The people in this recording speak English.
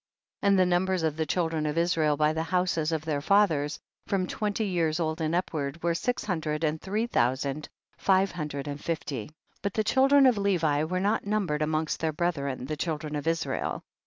20. And the numbers of the chil dren of Israel by the houses of their fathers, from twenty years old and upward, were six hundred and three thousand, five hundred and fifty. 21. But the children of Levi were not numbered amongst their brethren the children of Israel.